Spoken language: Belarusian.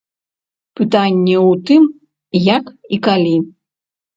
Пытанне ў тым, як і калі.